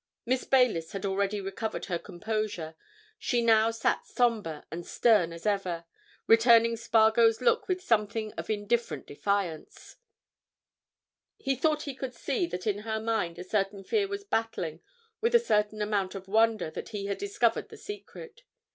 Miss Baylis had already recovered her composure; she now sat sombre and stern as ever, returning Spargo's look with something of indifferent defiance; he thought he could see that in her mind a certain fear was battling with a certain amount of wonder that he had discovered the secret.